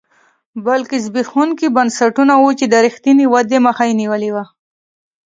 بلکې زبېښونکي بنسټونه وو چې د رښتینې ودې مخه یې نیوله